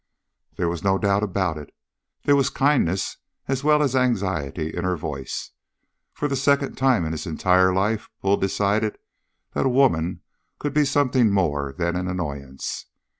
There was no doubt about it. There was kindness as well as anxiety in her voice. For the second time in his entire life, Bull decided that a woman could be something more than an annoyance.